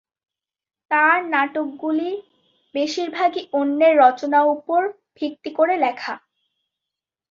তাঁর নাটকগুলির বেশির ভাগই অন্যের রচনার উপর ভিত্তি করে লেখা।